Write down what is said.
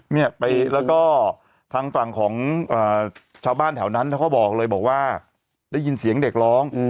เนี่ยไปแล้วก็ทางฝั่งของชาวบ้านแถวนั้นเขาก็บอกเลยบอกว่าได้ยินเสียงเด็กร้อง